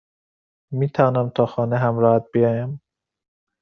میتوانم تا خانه همراهت بیایم؟